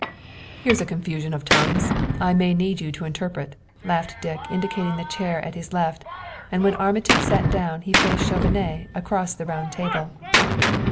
"Here's a confusion of tongues; I may need you to interpret," laughed Dick, indicating a chair at his left; and when Armitage sat down he faced Chauvenet across the round table.